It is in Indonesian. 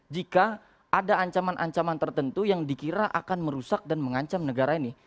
jika ada ancaman ancaman tertentu yang dikira akan merusak dan mengancam negara ini